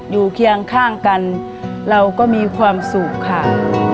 เคียงข้างกันเราก็มีความสุขค่ะ